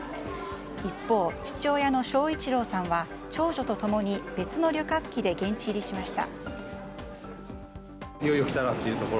一方、父親の昭一郎さんは長女と共に別の旅客機で現地入りしました。